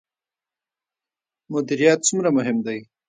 مدیریت څومره مهم دی؟